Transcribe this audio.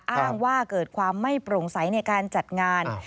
อ้างว่าเกิดความไม่โปร่งใสในการจัดงาน